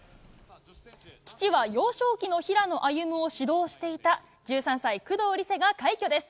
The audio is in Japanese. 父は幼少期の平野歩夢を指導していた１３歳、工藤璃星が快挙です。